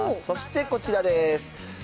そして、こちらです。